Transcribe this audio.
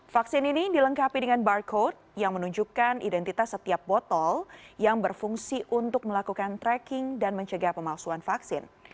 vaksin ini dilengkapi dengan barcode yang menunjukkan identitas setiap botol yang berfungsi untuk melakukan tracking dan mencegah pemalsuan vaksin